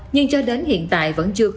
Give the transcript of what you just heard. nhưng cho đến hiện tại vẫn chưa kết thúc